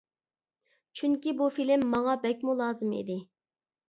چۈنكى بۇ فىلىم ماڭا بەكمۇ لازىم ئىدى.